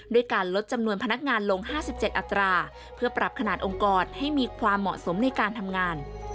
ด้วยการลดจำนวนพนักงานลง๕๗อัตราเพื่อปรับขนาดองค์กรให้มีความเหมาะสมในการทำงาน